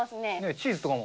チーズとかも。